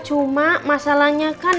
cuma masalahnya kan